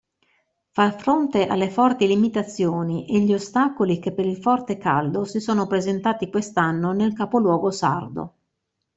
Far fronte alle forti limitazioni e gli ostacoli che per il forte caldo si sono presentati quest'anno nel capoluogo Sardo.